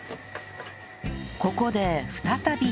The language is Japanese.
ここで再び火に